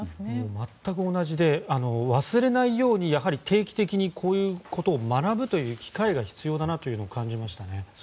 全く同じで忘れないように定期的にこういうことを学ぶ機会が必要だなと感じましたね。